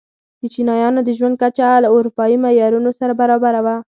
د چینایانو د ژوند کچه له اروپايي معیارونو سره برابره وه.